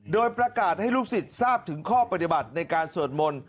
โดยประกาศให้ลูกศิษย์ทราบถึงข้อปฏิบัติในการสวดมนต์